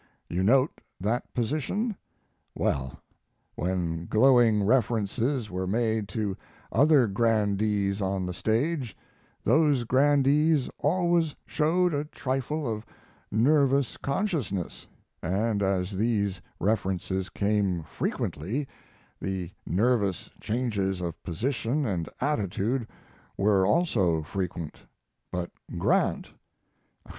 You note that position? Well, when glowing references were made to other grandees on the stage, those grandees always showed a trifle of nervous consciousness, and as these references came frequently the nervous changes of position and attitude were also frequent. But Grant!